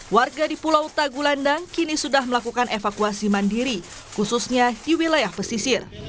warga di pulau tagulandang kini sudah melakukan evakuasi mandiri khususnya di wilayah pesisir